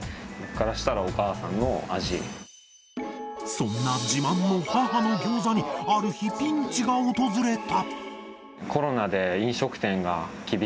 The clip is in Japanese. そんな自慢の母のギョーザにある日ピンチが訪れた。